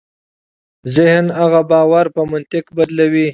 ذهن هغه باور په منطق بدلوي.